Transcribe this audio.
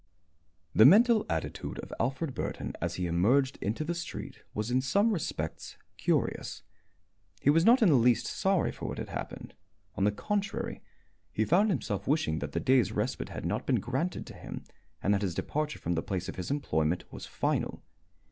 The mental attitude of Alfred Burton, as he emerged into the street, was in some respects curious. He was not in the least sorry for what had happened. On the contrary, he found himself wishing that the day's respite had not been granted to him, and that his departure from the place of his employment was final.